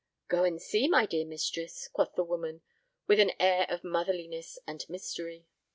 "Go and see, my dear mistress," quoth the woman, with an air of motherliness and mystery.